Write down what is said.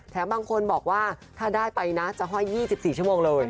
บางคนบอกว่าถ้าได้ไปนะจะห้อย๒๔ชั่วโมงเลย